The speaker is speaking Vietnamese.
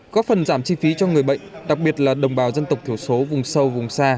có phần giảm chi phí cho người bệnh đặc biệt là đồng bào dân tộc thiểu số vùng sâu vùng xa